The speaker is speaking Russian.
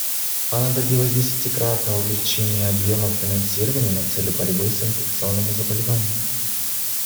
Она добилась десятикратного увеличения объемов финансирования на цели борьбы с инфекционными заболеваниями.